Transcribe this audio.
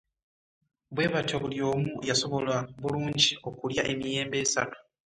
Bwe batyo buli omu yasobola bulungi okulya emiyembe esatu.